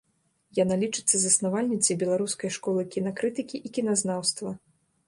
Яна лічыцца заснавальніцай беларускай школы кінакрытыкі і кіназнаўства.